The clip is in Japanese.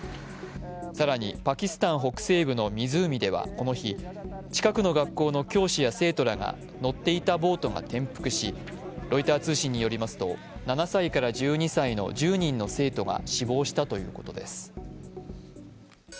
更にパキスタン北西部の湖ではこの日、近くの学校の教師や生徒らが乗っていたボートが転覆しロイター通信によりますと、７歳から１２歳の１０人の生徒が死亡したということです。